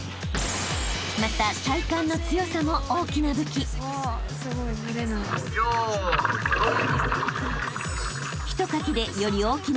［また体幹の強さも大きな武器］・用意ドン。